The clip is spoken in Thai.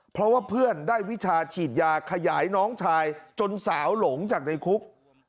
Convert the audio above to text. เพราะว่าเพื่อนได้วิชาฉีดยาขยายน้องชายจนสาวหลงจากในคุก